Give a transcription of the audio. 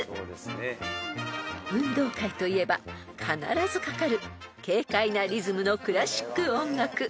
［運動会といえば必ずかかる軽快なリズムのクラシック音楽］